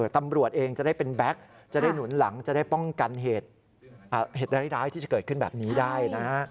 ตำรวจเองจะได้เป็นแก๊กจะได้หนุนหลังจะได้ป้องกันเหตุร้ายที่จะเกิดขึ้นแบบนี้ได้นะฮะ